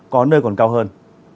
có nơi còn cao hơn